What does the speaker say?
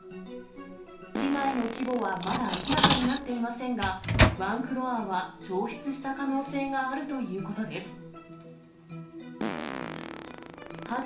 被害の規模はまだ明らかになっていませんが、ワンフロアは焼失した可能性があるということです。